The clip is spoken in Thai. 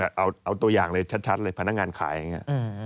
เอาตัวอย่างเลยชัดเลยพนักงานขายอย่างนี้